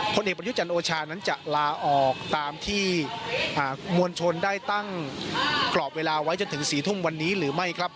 ผลเอกประยุจันทร์โอชานั้นจะลาออกตามที่มวลชนได้ตั้งกรอบเวลาไว้จนถึง๔ทุ่มวันนี้หรือไม่ครับ